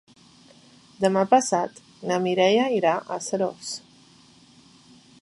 Demà passat na Mireia irà a Seròs.